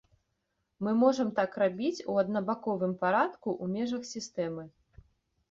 Мы можам так рабіць у аднабаковым парадку ў межах сістэмы.